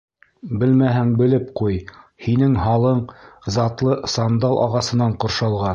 Белмәһәң, белеп ҡуй, һинең һалың затлы сандал ағасынан ҡоршалған.